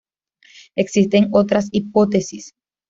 Existen otras hipótesis.